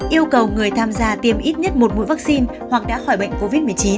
yêu cầu người tham gia tiêm ít nhất một mũi vaccine hoặc đã khỏi bệnh covid một mươi chín